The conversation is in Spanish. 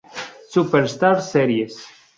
Superstars Series